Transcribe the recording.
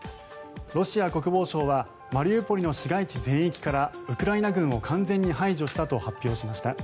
ロシア国防省はマリウポリの市街地全域からウクライナ軍を完全に排除したと発表しました。